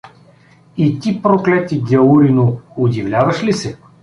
И ти, проклети гяурино, удивляваш ли се?